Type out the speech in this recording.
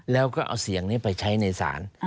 แล้วก็เอาเสียงนี้ไปใช้ในศาล